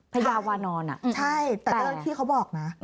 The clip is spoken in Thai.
พญาวานอนใช่แต่ที่เขาบอกนะ